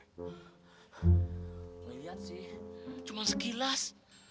ngeliat sih cuma sekilas